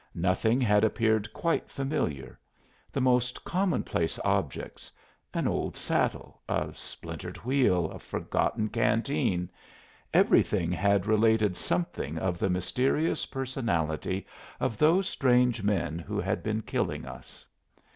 Nothing had appeared quite familiar; the most commonplace objects an old saddle, a splintered wheel, a forgotten canteen everything had related something of the mysterious personality of those strange men who had been killing us.